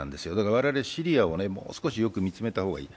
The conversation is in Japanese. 我々、シリアをもう少しよく見つめた方がいい。